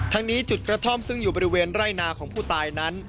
นี้จุดกระท่อมซึ่งอยู่บริเวณไร่นาของผู้ตายนั้น